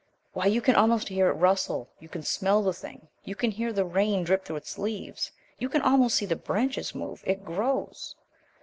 "Why, you can almost hear it rustle. You can smell the thing. You can hear the rain drip through its leaves. You can almost see the branches move. It grows."